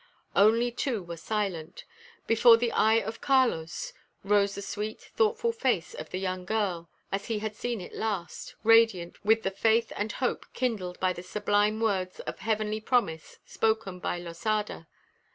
Only two were silent. Before the eye of Carlos rose the sweet thoughtful face of the young girl, as he had seen it last, radiant with the faith and hope kindled by the sublime words of heavenly promise spoken by Losada.